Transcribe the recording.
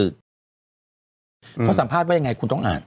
เขาสัมภาษณ์ว่ายังไงคุณต้องอ่าน